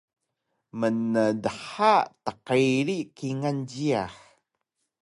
mndha tqiri kingal jiyax